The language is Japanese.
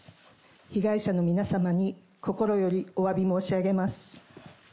被害者の皆様に心よりおわび申し上げます。